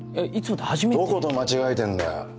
どこと間違えてんだよ！